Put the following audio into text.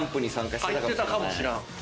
行ってたかもしらん。